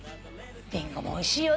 リンゴもおいしいよね。